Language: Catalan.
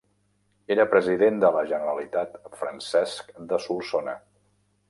Era President de la Generalitat Francesc de Solsona.